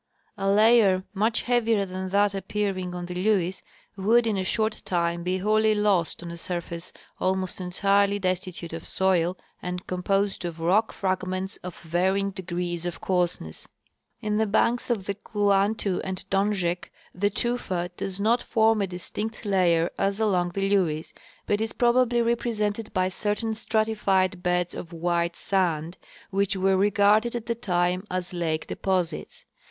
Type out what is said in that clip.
A layer much heavier than that ap pearing on the LeAves would in a short time be wholly lost on a surface almost entirely destitute of soil and composed of rock fragments of varying degrees of coarseness. In the banks of the Kluantu and Donjek the tufa does not form a distinct layer as along the Lewes, but is probably repre sented liy certain stratified beds of white sand, which were re garded at the time as lake deposits.